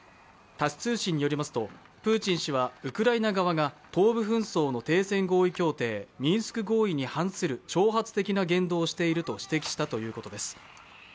タス通信によりますとプーチン氏はウクライナ側が東部紛争の停戦合意協定、ミンスク合意に反する挑発的な言動をしていると指摘したということです。